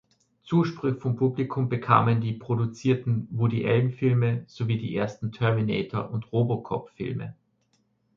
Zuspruch vom Publikum bekamen die produzierten Woody Allen-Filme sowie die ersten "Terminator"- und "Robocop"-Filme.